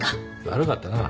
悪かったな。